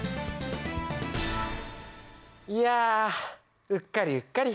いやうっかりうっかり！